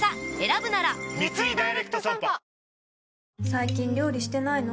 最近料理してないの？